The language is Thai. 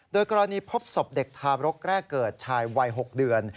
โดยกรณีพบศพเด็กทารกแรกเกิดชายวัย๖เดือน